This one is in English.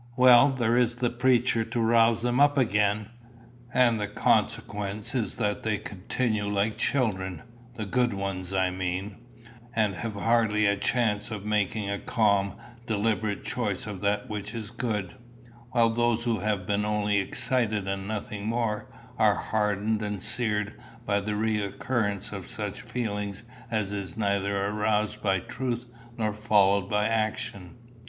"Well, there is the preacher to rouse them up again." "And the consequence is that they continue like children the good ones, I mean and have hardly a chance of making a calm, deliberate choice of that which is good; while those who have been only excited and nothing more, are hardened and seared by the recurrence of such feeling as is neither aroused by truth nor followed by action."